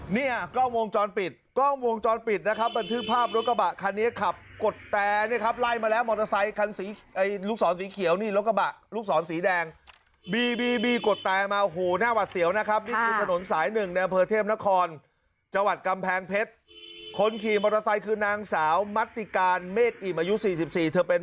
เนี่ยกล้องวงจรปิดกล้องวงจรปิดนะครับบันทึกภาพรถกระบะคันนี้ขับกดแต่เนี่ยครับไล่มาแล้วมอเตอร์ไซคันสีลูกศรสีเขียวนี่รถกระบะลูกศรสีแดงบีบีกดแต่มาโอ้โหหน้าหวัดเสียวนะครับนี่คือถนนสายหนึ่งในอำเภอเทพนครจังหวัดกำแพงเพชรคนขี่มอเตอร์ไซค์คือนางสาวมัตติการเมฆอิ่มอายุ๔๔เธอเป็น